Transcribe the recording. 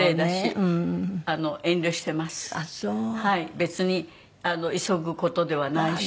別に急ぐ事ではないし。